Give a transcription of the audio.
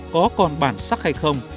có còn bản sắc hay không